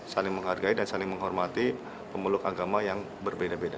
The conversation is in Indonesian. saling menghargai dan saling menghormati pemeluk agama yang berbeda beda